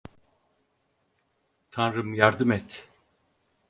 Tanrım yardım et!